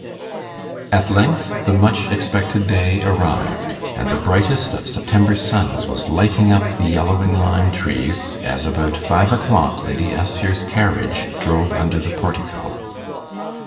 .' At length the much expected day arrived, and the brightest of September suns was lighting up the yellowing lime trees, as about five o'clock Lady Assher's carriage drove under the portico.